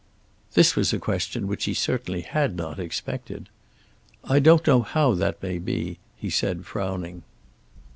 This was a question which he certainly had not expected. "I don't know how that may be," he said frowning.